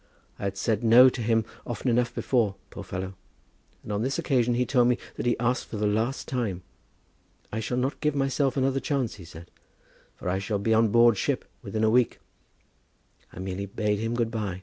I had said 'no' to him often enough before, poor fellow; and on this occasion he told me that he asked for the last time. 'I shall not give myself another chance,' he said, 'for I shall be on board ship within a week.' I merely bade him good by.